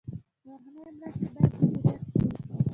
بهرنۍ مرستې باید مدیریت شي